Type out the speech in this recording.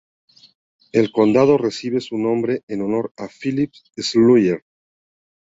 El condado recibe su nombre en honor a Philip Schuyler.